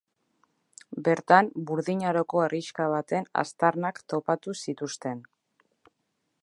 Bertan Burdin Aroko herrixka baten aztarnak topatu zituzten.